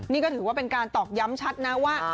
นี่ก็ถือว่าเป็นการตอกย้ำชัดนะว่า